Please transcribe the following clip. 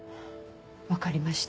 わかりました。